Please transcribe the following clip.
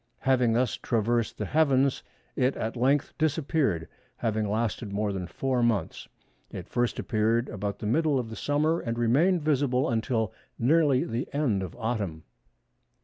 Having thus traversed the heavens, it at length disappeared, having lasted more than four months. It first appeared about the middle of the summer, and remained visible until nearly the end of autumn."